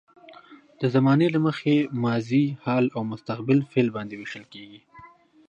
د زمانې له مخې ماضي، حال او مستقبل فعل باندې ویشل کیږي.